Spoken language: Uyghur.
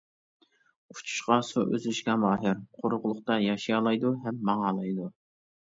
ئۇچۇشقا، سۇ ئۈزۈشكە ماھىر، قۇرۇقلۇقتا ياشىيالايدۇ ھەم ماڭالايدۇ.